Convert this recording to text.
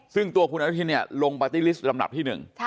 ซึ่งตัวคุณอนุทินเนี่ยลงปาร์ตี้ลิสต์ลำดับที่๑